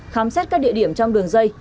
khám xét các địa điểm trong đường dây